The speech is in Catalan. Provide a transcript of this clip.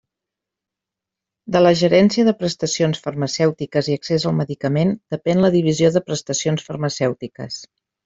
De la Gerència de Prestacions Farmacèutiques i Accés al Medicament depèn la Divisió de Prestacions Farmacèutiques.